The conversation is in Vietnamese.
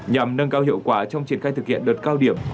nhằm nâng cao hiệu quả trong triển khai thực hiện đợt cao điểm